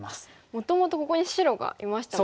もともとここに白がいましたもんねさっきの図は。